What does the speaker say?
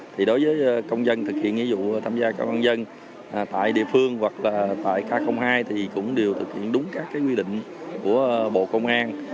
thì đối với công dân thực hiện nghĩa vụ tham gia công an dân tại địa phương hoặc là tại k hai thì cũng đều thực hiện đúng các quy định của bộ công an